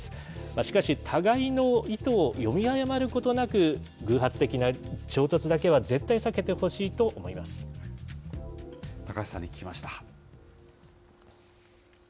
しかし、互いの意図を読み誤ることなく、偶発的な衝突だけは絶対高橋さんに聞きました。